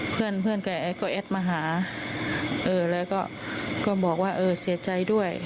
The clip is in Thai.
เพื่อนแกก็แอดมาหาแล้วก็บอกว่าเออเสียใจด้วย